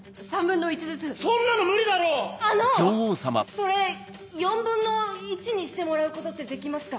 それ４分の１にしてもらうことってできますか？